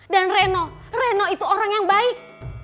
dan reno reno itu orang yang baik